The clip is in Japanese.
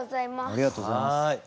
ありがとうございます。